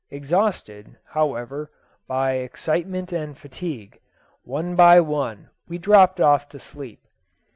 Exhausted, however, by excitement and fatigue, one by one we dropped off to sleep.